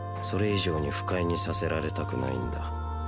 それ以上に不快にさせられたくないんだ